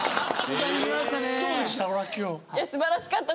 どうでした？